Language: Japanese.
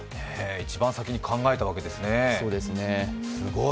一番先に考えたわけですね、すごい。